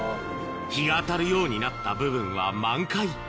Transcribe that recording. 日が当たるようになった部分は満開